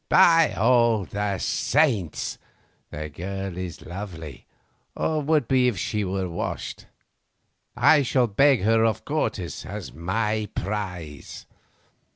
By all the saints! the girl is lovely, or would be if she were washed. I shall beg her of Cortes as my prize."